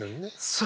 そう！